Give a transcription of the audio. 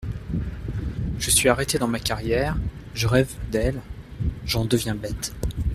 Je suis arrêté dans ma carrière je rêve, d’elle… j’en deviens bête.